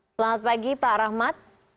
selamat pagi pak rahmat